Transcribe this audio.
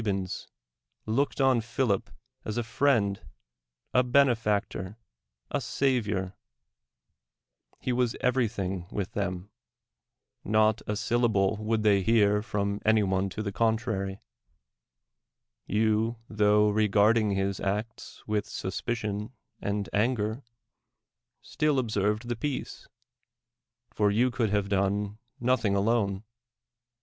b;"Tis loolrrd on I'liilip as a friend, a benefactor, a savior; he was everything with them —not a syllable woiiM 1hev hear from any one to THE WORLD'S FAMOUS ORATIONS the contrary. You, tho regarding his acts with suspicion and anger, still observed the peace ; for you could have done nothing alone.